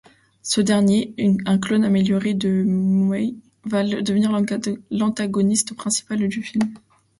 Ce dernier, un clone amélioré de Mew, va devenir l'antagoniste principal du film.